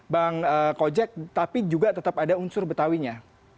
bang kojek tapi juga tetap ada unsur betawinya